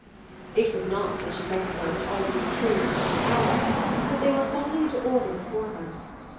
It was not that she recognised all these truths at the hour, but they were falling into order before her.